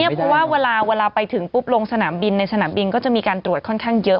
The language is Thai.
เพราะว่าเวลาไปถึงปุ๊บลงสนามบินในสนามบินก็จะมีการตรวจค่อนข้างเยอะ